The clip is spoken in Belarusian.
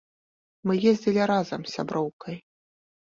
Мы ездзілі разам з сяброўкай.